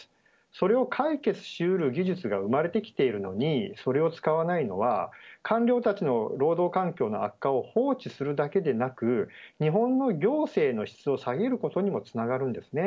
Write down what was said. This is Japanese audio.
それを解決しうる技術が生まれてきているのにそれを使わないのは官僚たちの労働環境の悪化を放置するだけでなく日本の行政の質を下げることにもつながるんです。